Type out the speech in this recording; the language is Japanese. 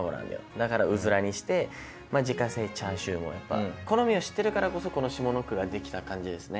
だから「うずら」にして「自家製チャーシュー」もやっぱ好みを知ってるからこそこの下の句ができた感じですね。